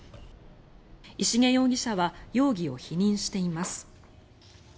石毛容疑者は容疑を否認しています。